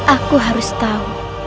aku harus tahu